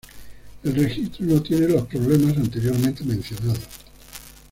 El Registro no tiene los problemas anteriormente mencionados.